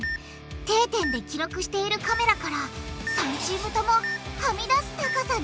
定点で記録しているカメラから３チームともはみ出す高さに到達！